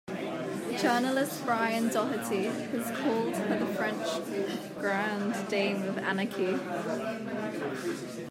Journalist Brian Doherty has called her the French grande dame of anarchy.